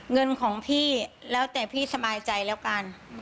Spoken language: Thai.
เงินของพี่แล้วแต่พี่สบายใจแล้วกัน